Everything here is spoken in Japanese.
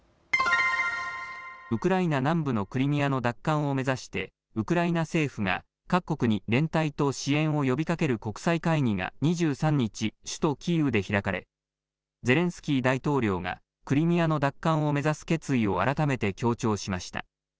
ウクライナ南部のクリミアの奪還を目指してウクライナ政府が各国に連帯と支援を呼びかける国際会議が２３日、首都キーウで開かれゼレンスキー大統領がクリミアの奪還を目指す決意を改めて強調しました。